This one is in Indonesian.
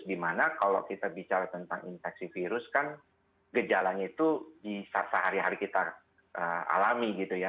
dimana kalau kita bicara tentang infeksi virus kan gejalanya itu bisa sehari hari kita alami gitu ya